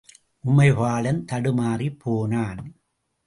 உமைபாலன் தடுமாறிப் போனான்.